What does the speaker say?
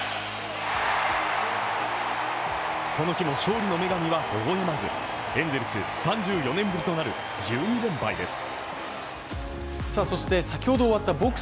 この日の勝利の女神は微笑まず、エンゼルス３４年ぶりとなる１２連敗です。